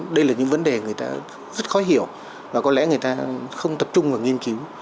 đây là những vấn đề người ta rất khó hiểu và có lẽ người ta không tập trung vào nghiên cứu